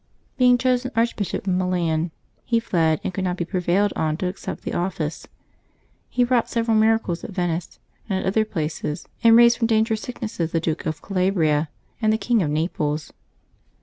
Being chosen Archbishop of Milan, he fled, and could not be prevailed on to accept the oflBce. He wrought several miracles at Venice and at other places, and raised from dangerous sicknesses the Duke of Calabria and the King of Xaples.